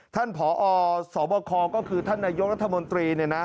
ท่านผอสบคก็คือท่านนายกรัฐมนตรี